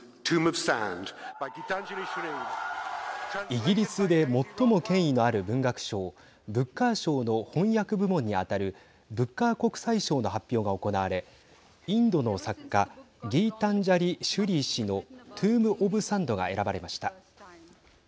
イギリスで最も権威のある文学賞ブッカー賞の翻訳部門に当たるブッカー国際賞の発表が行われインドの作家ギータンジャリ・シュリー氏のトゥーム・オブ・サンドが選ばれました。